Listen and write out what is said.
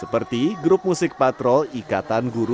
seperti grup musik patrol iktat guru tk muslimat taman sidowarjo